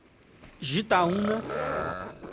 Jitaúna